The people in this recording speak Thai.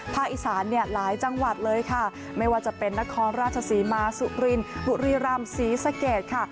อีสานเนี่ยหลายจังหวัดเลยค่ะไม่ว่าจะเป็นนครราชศรีมาสุรินบุรีรำศรีสะเกดค่ะ